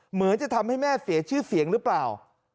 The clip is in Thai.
เหมือนจะทำให้แม่เสียชื่อเสียงหรือเปล่า